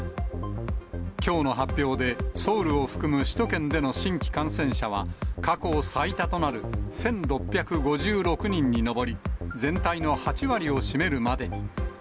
きょうの発表で、ソウルを含む首都圏での新規感染者は、過去最多となる１６５６人に上り、全体の８割を占めるまでに。